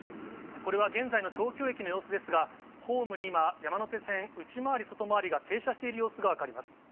これは現在の東京駅の様子ですが、ホームに今、山手線、内回り、外回りが停車している様子が分かります。